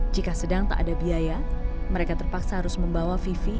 jika sedang tak ada biaya mereka terpaksa harus membawa vivi